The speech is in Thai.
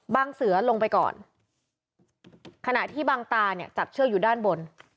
เสือลงไปก่อนขณะที่บางตาเนี่ยจับเชือกอยู่ด้านบน